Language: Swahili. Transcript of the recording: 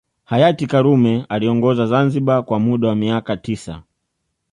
Hayati karume aliongoza Zanzibar kwa muda wa miaka tisa